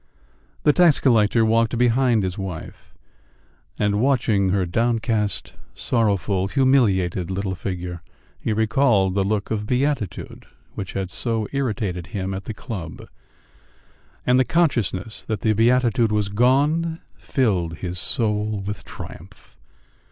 The tax collector walked behind his wife, and watching her downcast, sorrowful, humiliated little figure, he recalled the look of beatitude which had so irritated him at the club, and the consciousness that the beatitude was gone filled his soul with triumph.